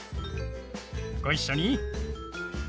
ご一緒に。